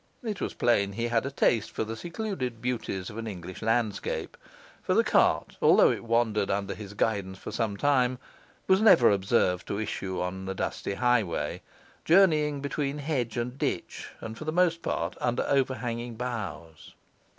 It was plain he had a taste for the secluded beauties of an English landscape; for the cart, although it wandered under his guidance for some time, was never observed to issue on the dusty highway, journeying between hedge and ditch, and for the most part under overhanging boughs.